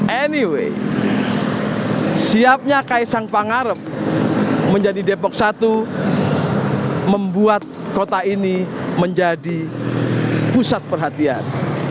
anyway siapnya kaisang pangarep menjadi depok satu membuat kota ini menjadi pusat perhatian